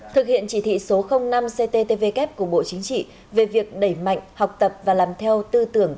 thực hiện chỉ thị số năm cttvk của bộ chính trị về việc đẩy mạnh học tập và làm theo tư tưởng